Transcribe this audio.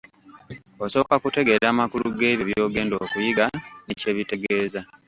Osooka kutegeera makulu g'ebyo by'ogenda okuyiga ne kye bitegeeza.